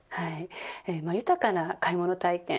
豊かな買い物体験